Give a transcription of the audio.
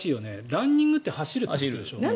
ランニングって走るって意味でしょ？